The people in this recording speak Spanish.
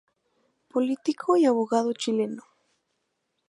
Político y abogado chileno.